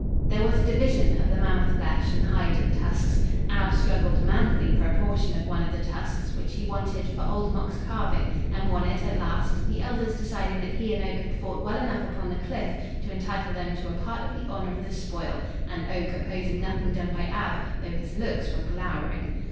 There was a division of the mammoth flesh and hide and tusks. Ab struggled manfully for a portion of one of the tusks, which he wanted for Old Mok's carving, and won it at last, the elders deciding that he and Oak had fought well enough upon the cliff to entitle them to a part of the honor of the spoil, and Oak opposing nothing done by Ab, though his looks were glowering.